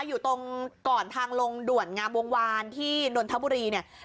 อยู่ตรงก่อนทางลงด่วนงามวงวานที่นนทบุรีเนี่ย